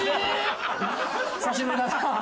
久しぶりだな。